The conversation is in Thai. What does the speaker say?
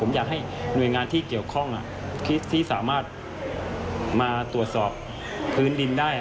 ผมอยากให้หน่วยงานที่เกี่ยวข้องที่สามารถมาตรวจสอบพื้นดินได้